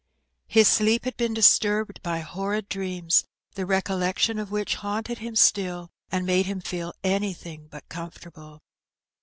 His sleep had been disturbed by horrid dreams, the recollection of which haunted him still, and made him feel anything but comfortable.